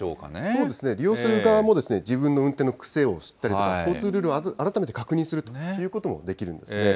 そうですね、利用する側も自分の運転の癖を知ったりとか、交通ルールを改めて確認するということもできるんですね。